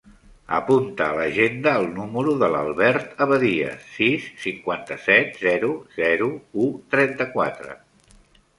Apunta a l'agenda el número de l'Albert Abadias: sis, cinquanta-set, zero, zero, u, trenta-quatre.